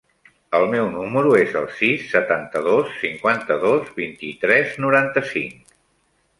El meu número es el sis, setanta-dos, cinquanta-dos, vint-i-tres, noranta-cinc.